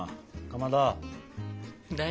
かまど！